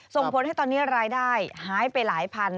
ส่งผลให้ตอนนี้รายได้หายไปหลายพัน